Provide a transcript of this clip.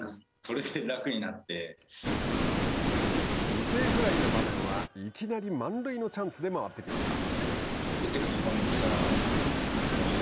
犠牲フライの場面はいきなり満塁のチャンスで回ってきました。